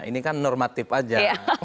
ini kan normatif saja